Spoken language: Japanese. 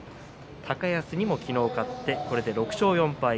高安にも昨日勝ってこれで６勝４敗。